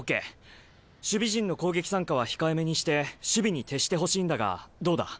守備陣の攻撃参加は控えめにして守備に徹してほしいんだがどうだ？